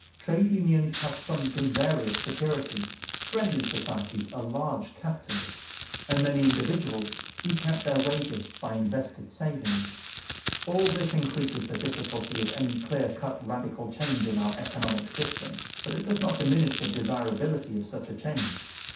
Trade unions have funds in various securities; friendly societies are large capitalists; and many individuals eke out their wages by invested savings. All this increases the difficulty of any clear cut radical change in our economic system. But it does not diminish the desirability of such a change.